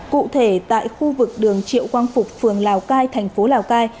cụ thể tại khu vực đường triệu quang phục phường lào cai thành phố lào cai